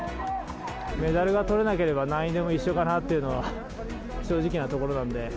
メダルがとれなければ、何位でも一緒かなというのは正直なところなんで。